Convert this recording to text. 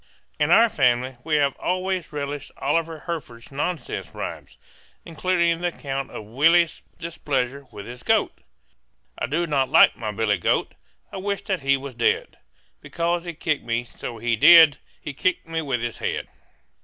In our family we have always relished Oliver Herford's nonsense rhymes, including the account of Willie's displeasure with his goat: "I do not like my billy goat, I wish that he was dead; Because he kicked me, so he did, He kicked me with his head."